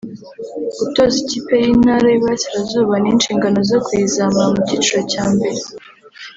gutoza ikipe y’intara y’i Burasirazuba n’inshingano zo kuyizamura mu cyiciro cya mbere